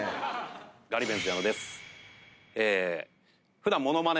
ガリベンズ矢野です。